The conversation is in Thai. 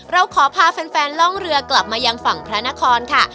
เราขอพาแฟนล่องเรือกลับมายังฝั่งพระนครค่ะ